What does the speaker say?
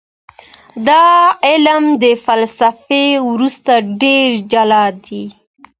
دا علم تر فلسفې اوس ډېر جلا دی.